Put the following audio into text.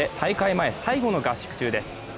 前最後の合宿中です。